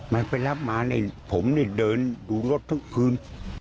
มันไปรับมาผมเดินดูรถทั้งคืน